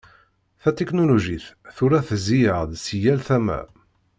Tatiknulujit tura tezzi-aɣ-d si yal tama.